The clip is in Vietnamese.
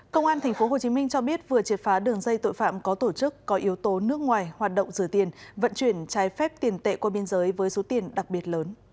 công an tp hcm cho biết vừa triệt phá đường dây tội phạm có tổ chức có yếu tố nước ngoài hoạt động rửa tiền vận chuyển trái phép tiền tệ qua biên giới với số tiền đặc biệt lớn